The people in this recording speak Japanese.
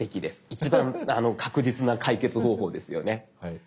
一番確実な解決方法ですよね。